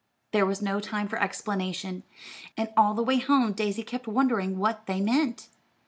There was no time for explanation, and all the way home Daisy kept wondering what they meant.